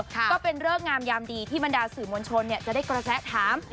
ก็เป็นเริกงามยามดีที่บรรดาสื่อมวลชนจะได้กระแสถาม